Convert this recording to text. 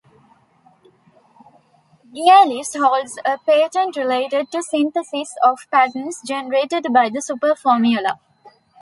Gielis holds a patent related to the synthesis of patterns generated by the superformula.